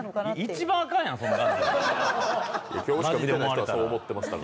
一番あかんやん、そんなの。